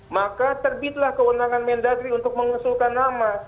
maka terbitlah kewenangan mendagri untuk mengusulkan nama